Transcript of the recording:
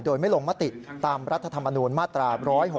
โดยไม่ลงมติตามรัฐธรรมนูญมาตรา๑๖๖